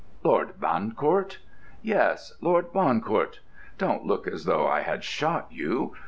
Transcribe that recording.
"Lord Bancourt?" "Yes, 'Lord Bancourt'! Don't look as though I had shot you!